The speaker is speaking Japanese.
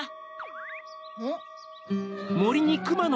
ん？